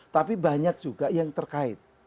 tapi banyak juga yang terkait